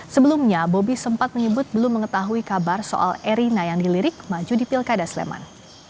sebelumnya bobi sempat menyebut belum mengetahui kabar soal erina yang dilirik maju di pilkada sleman